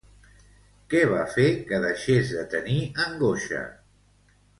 Què va fer que deixés de tenir angoixa?